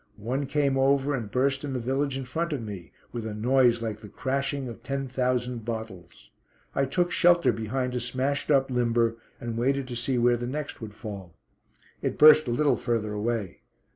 One came over and burst in the village in front of me, with a noise like the crashing of ten thousand bottles. I took shelter behind a smashed up limber, and waited to see where the next would fall. It burst a little further away.